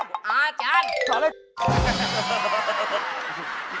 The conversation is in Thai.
ปัดเล่น